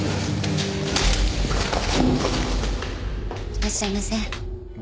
いらっしゃいませ。